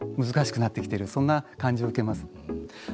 そんな感じを受けます。